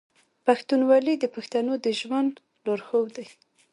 پښتونولي د پښتنو د ژوند لارښود دی.